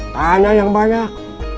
tanya yang banyak